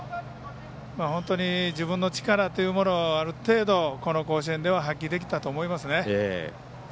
自分の力というものをある程度、この甲子園では発揮できたと思いますね。